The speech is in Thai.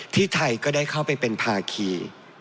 ที่ไทยก็ได้เข้าไปเป็นภาคี